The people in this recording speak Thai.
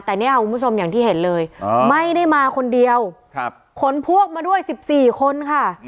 แต่เนี่ยคุณผู้ชมอย่างที่เห็นเลยไม่ได้มาคนเดียวขนพวกมาด้วย๑๔คนค่ะ